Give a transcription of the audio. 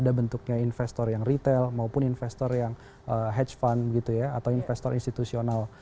ada bentuknya investor yang retail maupun investor yang hedge fund gitu ya atau investor institusional